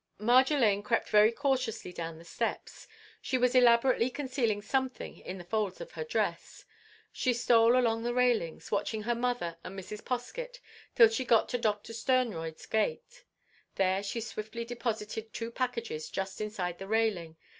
Marjolaine crept very cautiously down the steps. She was elaborately concealing something in the folds of her dress. She stole along the railings, watching her mother and Mrs. Poskett, till she got to Doctor Sternroyd's gate. There she swiftly deposited two packages just inside the railing.